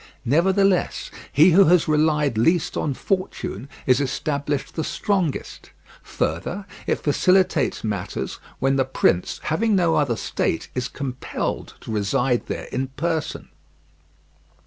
Nevertheless, he who has relied least on fortune is established the strongest. Further, it facilitates matters when the prince, having no other state, is compelled to reside there in person.